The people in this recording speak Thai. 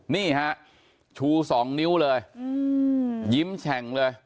นี่ฮะชู๒นิ้วเลยยิ้มแฉ่งเลย